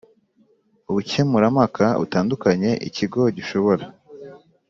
Ubukemurampaka butandukanye ikigo gishobora